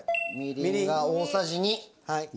みりんが大さじ２。